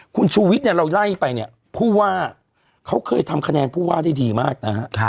คุณชูวิทย์เนี่ยเราไล่ไปเนี่ยผู้ว่าเขาเคยทำคะแนนผู้ว่าได้ดีมากนะฮะ